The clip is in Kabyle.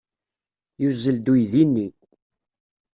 Yuzzel-d uydi-nni.